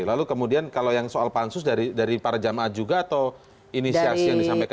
lalu kemudian kalau yang soal pansus dari para jamaah juga atau inisiasi yang disampaikan